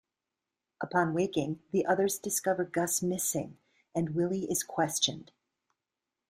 Upon waking, the others discover Gus missing and Willi is questioned.